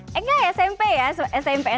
eh enggak ya smp ya